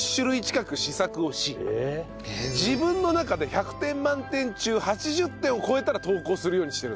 自分の中で１００点満点中８０点を超えたら投稿するようにしてる。